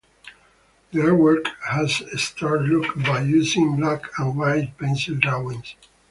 The artwork has a stark look by using black and white pencil drawings.